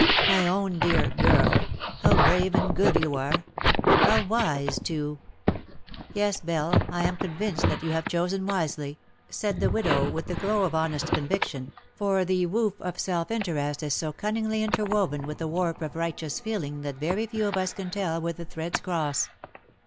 My own dear girl — how brave and good you are — how wise too. YeS;, Belle,, I am convinced that you have chosen wisely/'' said the widow, with the glow of honest conviction, for the woof of self interest is so cunningly interwoven with the warp of righteous feeling that very few of us can tell where the threads cross.